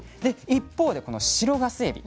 一方でこの白ガスエビ